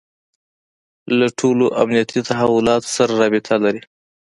له لویو امنیتي تحولاتو سره رابطه لري.